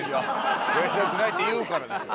やりたくないって言うからでしょ。